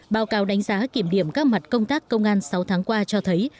báo cáo đánh giá kiểm điểm các mặt công tác công an sáu tháng qua cho thấy